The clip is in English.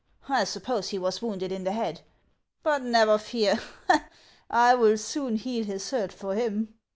I suppose he was wounded in the head. But never fear, I will soon heal his hurt for him."